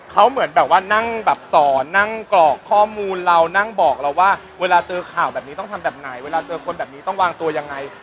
เขาเหมือนแบบว่านั่งแบบสอนนั่งกรอกข้อมูลเรานั่งบอกเราว่าเวลาเจอข่าวแบบนี้ต้องทำแบบไหนเวลาเจอคนแบบนี้ต้องวางตัวยังไง